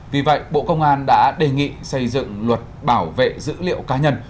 vì vậy bộ công an đã đề nghị xây dựng luật bảo vệ dữ liệu cá nhân